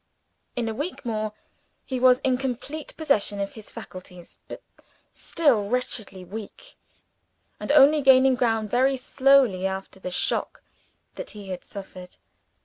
In a week more, he was in complete possession of his faculties but still wretchedly weak, and only gaining ground very slowly after the shock that he had suffered.